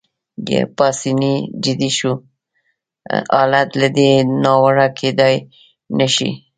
پاسیني جدي شو: حالت له دې ناوړه کېدای نه شي.